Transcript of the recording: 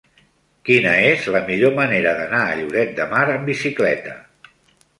Quina és la millor manera d'anar a Lloret de Mar amb bicicleta?